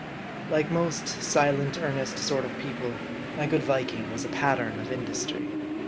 LIKE most silent earnest sort of people, my good Viking was a pattern of industry.